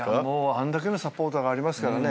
あんだけのサポートがありますからね。